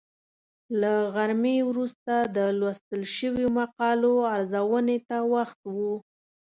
له غرمې وروسته د لوستل شویو مقالو ارزونې ته وخت و.